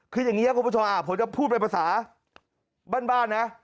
คืออย่างนี้ครับคุณผู้ชมผมจะพูดเป็นภาษาบ้านนะ